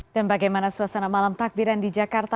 dan bagaimana suasana malam takbiran di jakarta